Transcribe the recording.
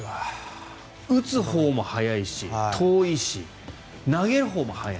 打つほうも速いし遠いし投げるほうも速い。